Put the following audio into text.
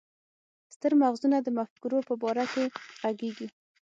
ستر مغزونه د مفکورو په باره کې ږغيږي.